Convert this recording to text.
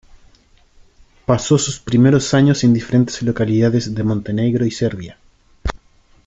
Pasó sus primeros años en diferentes localidades de Montenegro y Serbia.